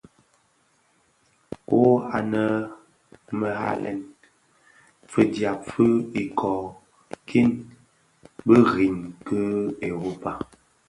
Dho anë a më ghalèn, fidyab fi ikōō, kiň biriň ki Europa.